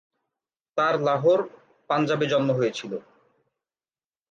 তার লাহোর, পাঞ্জাবে জন্ম হয়েছিল।